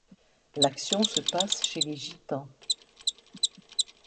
L'action se passe chez les Gitans.